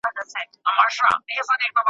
ه کله داسي ښکاري ,